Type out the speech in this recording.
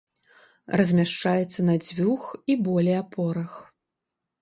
Размяшчаецца на дзвюх і болей апорах.